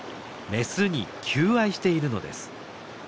メスに求愛しているのです。